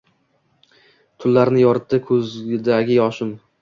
Tunlarni yoritdi ko’zdagi yoshim.